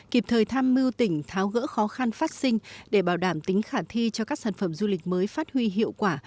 kịp thời tham mưu tỉnh tháo gỡ khó khăn phát sinh để bảo đảm tính khả thi cho các sản phẩm du lịch mới phát huy hiệu quả